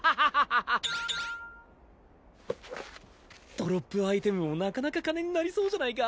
ドロップアイテムもなかなか金になりそうじゃないか。